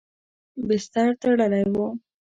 بستر تړلی و.